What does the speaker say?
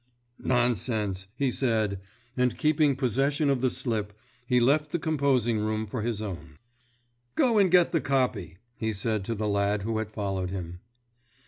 "Nonsense!" he said, and keeping possession of the slip, he left the composing room for his own. "Go and get the copy," he said to the lad who had followed him.